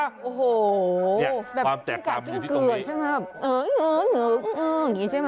โหแก่แก่ที่เกือบใช่ไหมครับเอื้ออย่างนี้ใช่ไหมฮะ